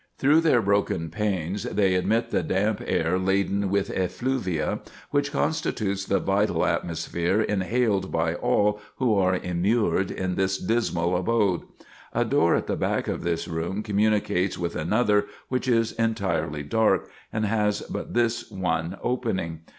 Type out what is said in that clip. Through their broken panes they admit the damp air laden with effluvia, which constitutes the vital atmosphere inhaled by all who are immured in this dismal abode. A door at the back of this room communicates with another which is entirely dark, and has but this one opening.